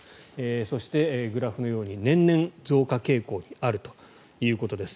そして、グラフのように年々増加傾向にあるということです。